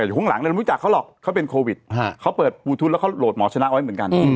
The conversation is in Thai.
ข้างหลังเรารู้จักเขาหรอกเขาเป็นโควิดเขาเปิดปูทุดแล้วเขาโหลดหมอชนะไว้เหมือนกัน